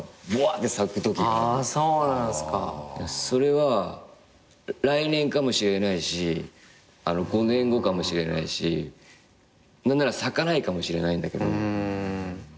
それは来年かもしれないし５年後かもしれないし何なら咲かないかもしれないんだけど。